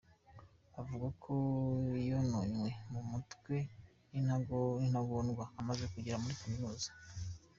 Avuga ko yononywe mu mutwe n'intagondwa, amaze kugera muri Kaminuza.